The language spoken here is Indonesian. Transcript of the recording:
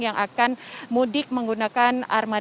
yang akan mudik menggunakan arus mudik